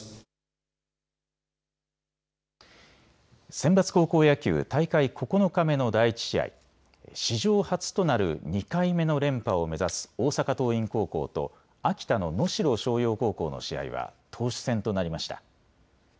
センバツ高校野球、大会９日目の第１試合、史上初となる２回目の連覇を目指す大阪桐蔭高校と秋田の能代松陽高校の試合は投手戦となりました。